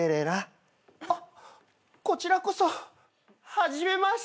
あっこちらこそ初めまして。